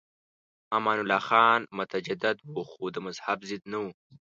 امان الله خان متجدد و خو د مذهب ضد نه و.